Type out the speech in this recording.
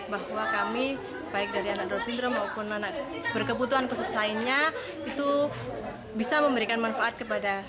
bahwa kami baik dari anak anak